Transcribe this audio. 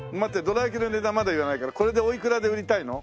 どら焼きの値段まだ言わないからこれでおいくらで売りたいの？